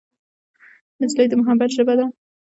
نجلۍ د محبت ژبه ده.